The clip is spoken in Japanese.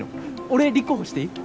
俺立候補していい？